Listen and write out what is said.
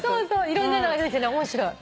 いろんなのが出てきて面白い。